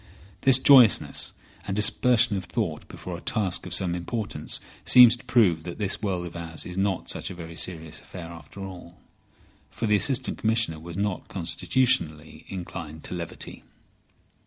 This joyousness and dispersion of thought before a task of some importance seems to prove that this world of ours is not such a very serious affair after all. For the Assistant Commissioner was not constitutionally inclined to levity.